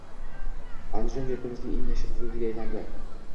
Andijon yurtimizning eng yashil hududiga aylanading